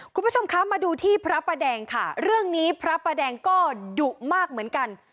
คุณผู้ชมคะมาดูที่พระประแดงค่ะเรื่องนี้พระประแดงก็ดุมากเหมือนกัน